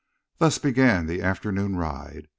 Thus began the afternoon ride.